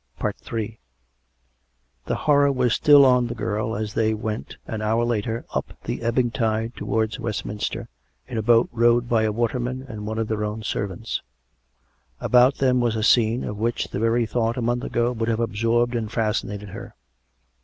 COME RACK! COME ROPE! l6l III The horror was still on the girl, as they went, an hour later, up the ebbing tide towards Westminster, in a boat rowed by a waterman and one of their own servants. About them was a scene, of which the very thought, a month ago, would have absorbed and fascinated her.